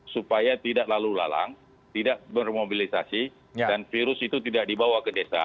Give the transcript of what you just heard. supaya tidak lalu lalang tidak bermobilisasi dan virus itu tidak dibawa ke desa